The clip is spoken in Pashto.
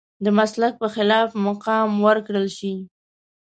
د مسلک په خلاف مقام ورکړل شي.